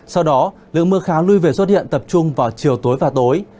sau đó lượng mưa khá lui về xuất hiện tập trung vào chiều tối và tối